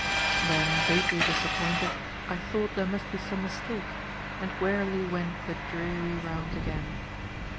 Then vaguely disappointed, I thought there must be some mistake, and wearily went the dreary round again.